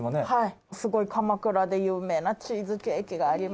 「すごい鎌倉で有名なチーズケーキがありまして」